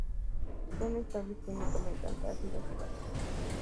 Son estables químicamente ante ácidos y bases.